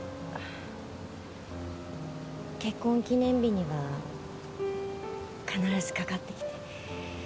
結婚記念日には必ずかかってきて。